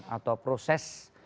atau proses pemberantasan